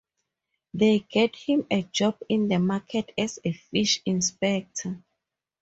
They get him a job in the market as a fish inspector.